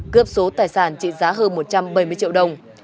cướp số tài sản trị giá hơn một trăm bảy mươi triệu đồng